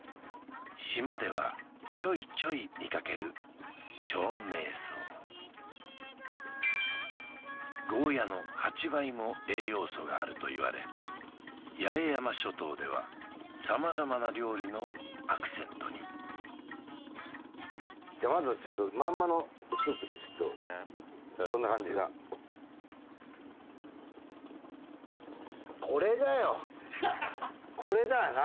島ではちょいちょい見かけるゴーヤの８倍も栄養素があるといわれ八重山諸島では様々な料理のアクセントにじゃあまずはまんまのスープでちょっとどんな感じかこれだよな